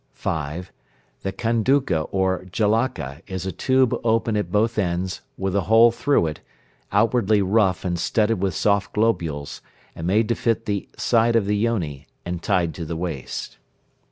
(5). The Kantuka or Jalaka is a tube open at both ends, with a hole through it, outwardly rough and studded with soft globules, and made to fit the side of the yoni, and tied to the waist.